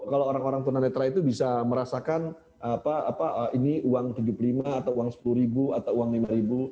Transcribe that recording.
kalau orang orang tunanetra itu bisa merasakan ini uang rp tujuh puluh lima atau uang sepuluh ribu atau uang rp lima